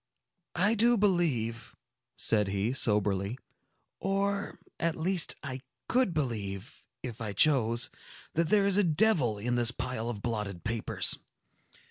"I do believe," said he, soberly, "or, at least, I could believe, if I chose, that there is a devil in this pile of blotted papers.